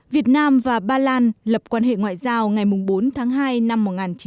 việt nam và ba lan lập quan hệ ngoại giao ngày bốn tháng hai năm một nghìn chín trăm bảy mươi năm